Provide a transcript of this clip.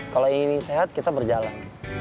kalau ingin sehat kita berjalan